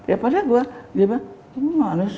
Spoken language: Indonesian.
jadi gue dia bilang gimana